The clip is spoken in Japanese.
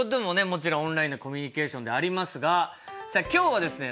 もちろんオンラインのコミュニケーションでありますがさあ今日はですね